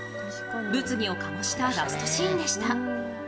物議を醸したラストシーンでした。